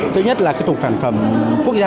thứ nhất là cái tục sản phẩm quốc gia